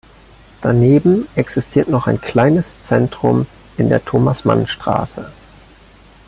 Daneben existiert noch ein „Kleines Zentrum“ in der "Thomas-Mann-Straße".